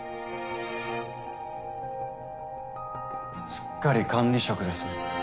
・すっかり管理職ですね。